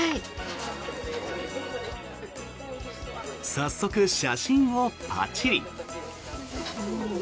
早速、写真をパチリ。